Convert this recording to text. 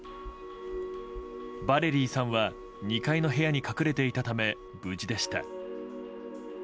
バレリィーさんは２階の部屋に隠れていたため無事でした。